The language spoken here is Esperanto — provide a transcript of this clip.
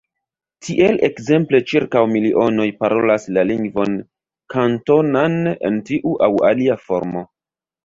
Tiel ekzemple ĉirkaŭ milionoj parolas la lingvon Kantonan en tiu aŭ alia formo.